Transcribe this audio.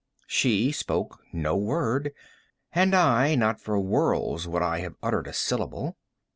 She spoke no word; and I—not for worlds could I have uttered a syllable.